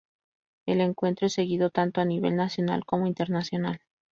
El encuentro es seguido tanto a nivel nacional, como internacional.